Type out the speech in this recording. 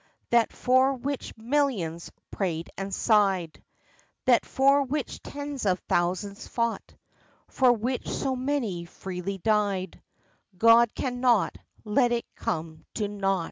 That for which millions prayed and sighed, That for which tens of thousands fought, For which so many freely died, God cannot let it come to naught.